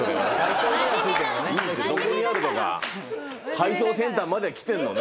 配送センターまでは来てるのね。